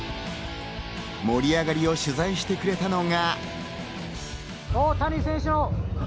盛り上がりを取材してくれたのが。